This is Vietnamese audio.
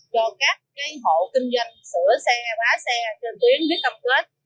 cho các hộ kinh doanh sửa xe bá xe trên tuyến viết công kết